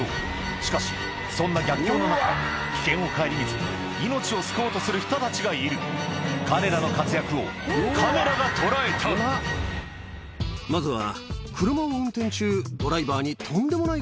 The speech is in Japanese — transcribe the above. しかしそんな逆境の中危険を顧みず命を救おうとする人たちがいる彼らの活躍をカメラが捉えたまずは。